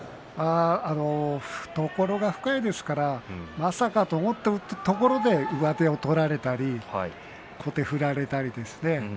懐が深いですからまさかと思ったところで上手を取られたり小手に振られたりですね